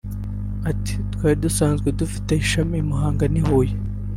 Ati” Twari dusanzwe dufite ishami i Muhanga n’i Huye